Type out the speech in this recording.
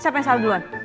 siap yang salah duluan